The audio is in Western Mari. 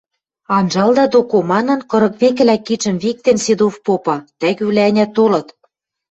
– Анжалда доко, – манын, кырык векӹлӓ кидшӹм виктен Седов попа, – тӓгӱвлӓ-ӓнят толыт...